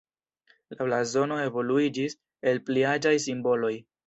La blazono evoluiĝis el pli aĝaj simboloj.